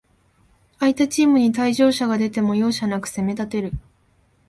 相手チームに退場者が出ても、容赦なく攻めたてる